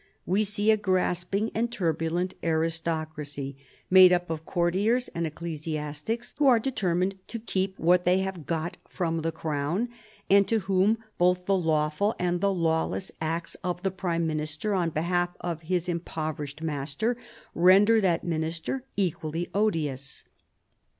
We see a grasping and turbulent aristoc racy, made up of courtiers and ecclesiastics, who are determined to keep what they have got from the crown, and to whom both the lawful and the lawless acts of the prime minister on behalf of his im poverished master render that minister equally odious.